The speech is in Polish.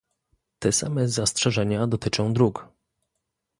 Te same zastrzeżenia dotyczą dróg